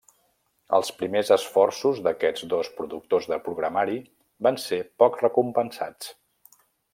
Els primers esforços d'aquests dos productors de programari van ser poc recompensats.